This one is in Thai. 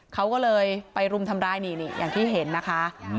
เขาก็เลยไปรุมทำร้ายนี่อย่างที่เห็นนะคะ